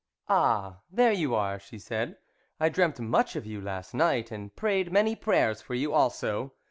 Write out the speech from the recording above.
"Ah! there you are," she said. "I dreamt much of you last night, and prayed many prayers for you also."